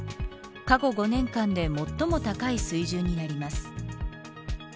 過去５年間で最も高い水準になります。